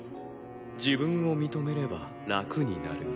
自分を認めれば楽になるよ。